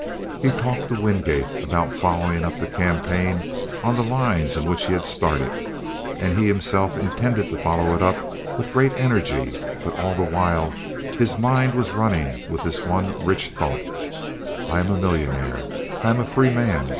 He talked to Wingate about following up the campaign on the lines in which he had started, and he himself intended to follow it up with great energy; but all the while his mind was running with this one rich thought: "I am a millionaire. I am a free man.